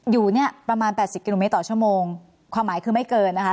อยู่ประมาณ๘๐กิโลเมตรต่อชั่วโมงความหมายคือไม่เกินนะคะ